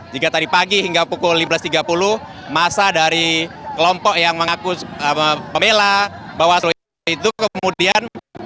jika tadi pagi hingga pukul lima belas tiga puluh masa dari kelompok yang mengaku pemela bawaslu itu kemudian